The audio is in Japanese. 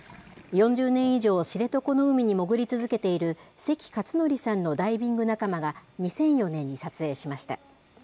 ４０年以上、知床の海に潜り続けている関勝則さんのダイビング仲間が、２００４年に撮影しました。